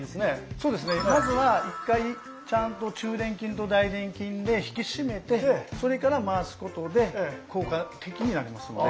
そうですねまずは一回ちゃんと中臀筋と大臀筋で引き締めてそれから回すことで効果的になりますので。